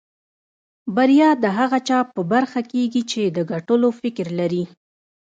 بريا د هغه چا په برخه کېږي چې د ګټلو فکر لري.